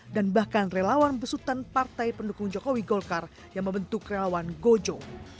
dan bahkan relawan besutan partai pendukung jokowi golkar yang membentuk relawan gojo